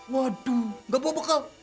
waduh nggak bobok bokok